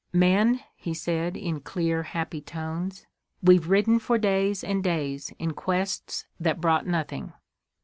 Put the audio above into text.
"Men," he said in clear, happy tones, "we've ridden for days and days in quests that brought nothing.